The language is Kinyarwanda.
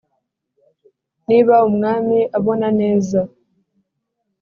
Niba umwami abona neza